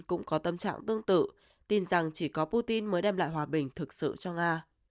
cũng có tâm trạng tương tự tin rằng chỉ có putin mới đem lại hòa bình thực sự cho nga